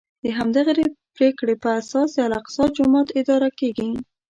د همدغې پرېکړې په اساس د الاقصی جومات اداره کېږي.